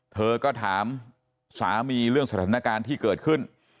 เธอก็ถามสามีเรื่องสถานการณ์ที่เกิดขึ้น